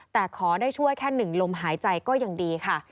แต่ขอได้ช่วยแค่หนึ่งลมหายใจก็ยังดีค่ะ